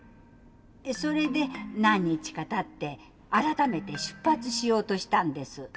それで何日かたって改めて出発しようとしたんです。